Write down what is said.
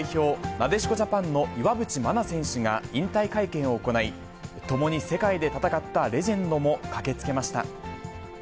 なでしこジャパンの岩渕真奈選手が引退会見を行い、共に世界で戦ったレジェンドも駆けつけました。